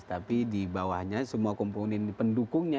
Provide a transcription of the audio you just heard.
tapi di bawahnya semua komponen pendukungnya